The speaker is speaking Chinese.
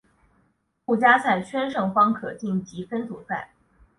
附加赛圈胜方可晋级分组赛。